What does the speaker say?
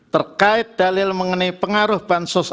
terkait dalil mengenai pengaruh bansos